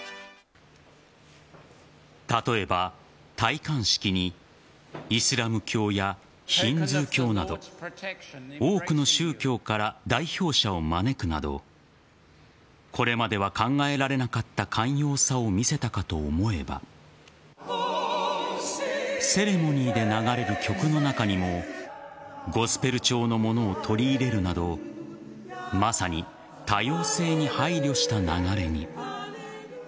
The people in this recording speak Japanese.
例えば、戴冠式にイスラム教やヒンズー教など多くの宗教から代表者を招くなどこれまでは考えられなかった寛容さを見せたかと思えばセレモニーで流れる曲の中にもゴスペル調のものを取り入れるなどまさに多様性に配慮した流れに。